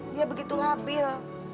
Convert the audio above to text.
dia begitu labil